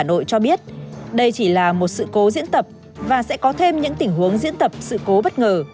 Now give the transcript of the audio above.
hà nội cho biết đây chỉ là một sự cố diễn tập và sẽ có thêm những tình huống diễn tập sự cố bất ngờ